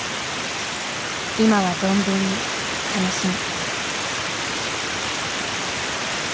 今は存分に楽しむ。